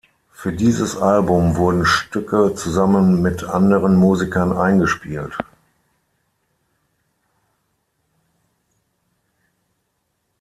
Für dieses Album wurden Stücke zusammen mit anderen Musikern eingespielt.